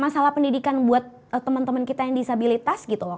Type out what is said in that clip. masalah pendidikan buat teman teman kita yang disabilitas gitu loh